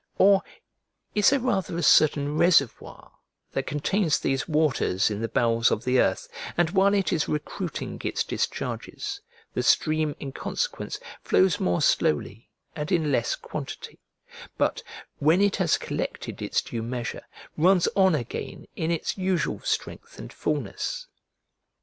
Or is there rather a certain reservoir that contains these waters in the bowels of the earth, and while it is recruiting its discharges, the stream in consequence flows more slowly and in less quantity, but, when it has collected its due measure, runs on again in its usual strength and fulness?